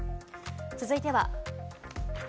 続いては。